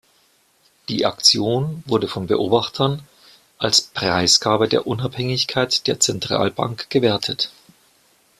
Die Aktion wurde von Beobachtern als Preisgabe der Unabhängigkeit der Zentralbank gewertet.